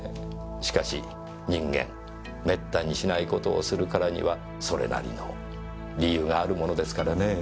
しかし人間滅多にしない事をするからにはそれなりの理由があるものですからね。